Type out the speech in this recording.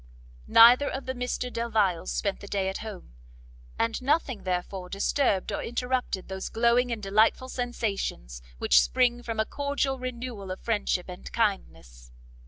Neither of the Mr Delviles spent the day at home, and nothing, therefore, disturbed or interrupted those glowing and delightful sensations which spring from a cordial renewal of friendship and kindness.